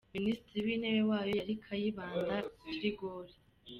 Minisitiri w’intebe wayo yari Kayibanda Geregori.